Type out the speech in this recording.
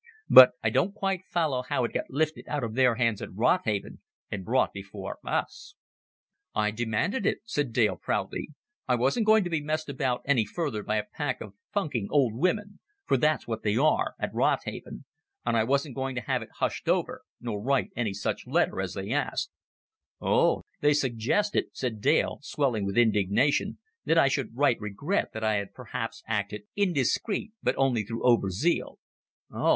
But I don't quite follow how it got lifted out of their hands at Rodhaven, and brought before us." "I demanded it," said Dale proudly. "I wasn't going to be messed about any further by a pack of funking old women for that's what they are, at Rodhaven. And I wasn't going to have it hushed over nor write any such letter as they asked." "Oh, they suggested " "They suggested," said Dale, swelling with indignation, "that I should write regret that I had perhaps acted indiscreet but only through over zeal." "Oh!